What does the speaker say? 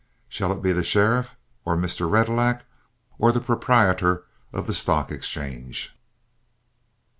Shall it be the sheriff, or Mr. Retallac, or the proprietor of the Stock Exchange?"